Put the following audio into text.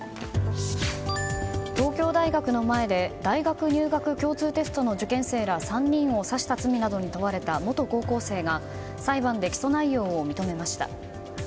東京大学の前で大学入学共通テストの受験生ら３人を刺した罪などに問われた元高校生が裁判で起訴内容を認めました。